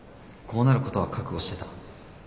こうなることは覚悟してた。